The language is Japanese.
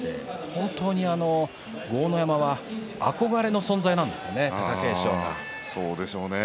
本当に豪ノ山は憧れの存在なんですよね、貴景勝が。